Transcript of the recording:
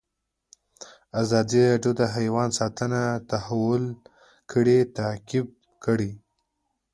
ازادي راډیو د حیوان ساتنه د تحول لړۍ تعقیب کړې.